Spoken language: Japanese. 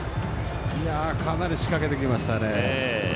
かなり仕掛けてきましたね。